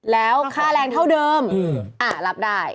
แล้วค่าแรงเท่าเดิมรับได้